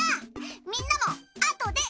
みんなもあとで。